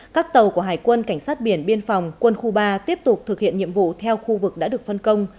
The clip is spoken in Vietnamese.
các tàu của hải quân cảnh sát biển biên phòng quân khu ba tiếp tục thực hiện nhiệm vụ theo khu vực đã được phân công